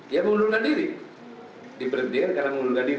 ya mengundurkan diri diperhentikan karena mengundurkan diri